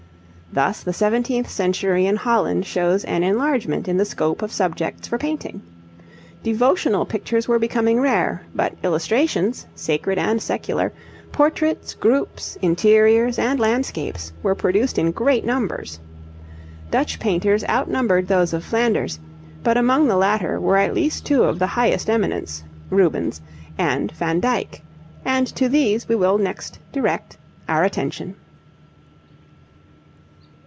Thus the seventeenth century in Holland shows an enlargement in the scope of subjects for painting. Devotional pictures were becoming rare, but illustrations, sacred and secular, portraits, groups, interiors, and landscapes, were produced in great numbers. Dutch painters outnumbered those of Flanders, but among the latter were at least two of the highest eminence, Rubens and Van Dyck, and to these we will next direct our attention.